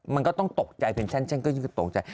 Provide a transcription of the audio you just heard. มันก็ต้องตกใจเป็นฉันฉันก็ยิ่งตกใจ